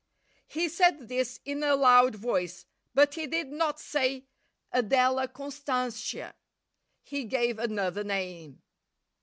He said this in a loud voice, but he did not say "Adela Constantia"; he gave another name.